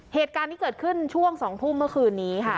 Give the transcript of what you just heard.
เหตุการณ์นี้เกิดขึ้นช่วง๒ทุ่มเมื่อคืนนี้ค่ะ